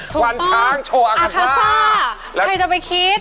ขวานช้างโชว์อาคาซ่าแกไม่รู้จะไปพี่